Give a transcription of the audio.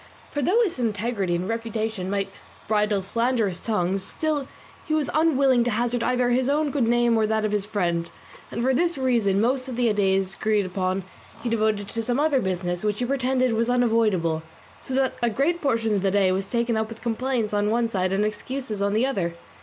For though his integrity and reputation might bridle slanderous tongues, still he was unwilling to hazard either his own good name or that of his friend; and for this reason most of the days agreed upon he devoted to some other business which he pretended was unavoidable; so that a great portion of the day was taken up with complaints on one side and excuses on the other.